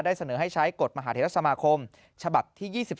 เสนอให้ใช้กฎมหาเทศสมาคมฉบับที่๒๓